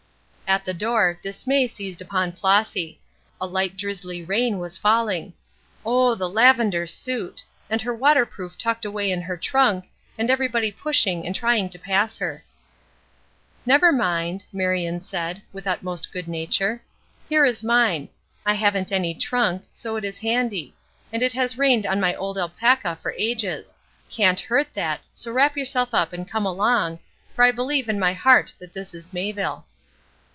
At the door dismay seized upon Flossy. A light drizzly rain was falling. Oh, the lavender suit! and her waterproof tucked away in her trunk, and everybody pushing and trying to pass her. "Never mind," Marion said, with utmost good nature, "here is mine; I haven't any trunk, so it is handy; and it has rained on my old alpaca for ages; can't hurt that, so wrap yourself up and come along, for I believe in my heart that this is Mayville."